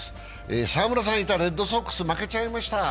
澤村さんがいたレッドソックス、負けちゃいました。